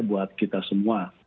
buat kita semua